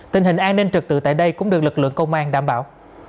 tình hình an ninh trực tự tại đây cũng được lực lượng công an đảm bảo